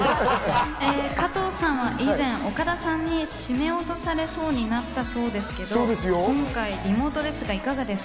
加藤さんは以前、岡田さんに絞め落とされそうになったそうですけど、今回リモートですがいかがですか？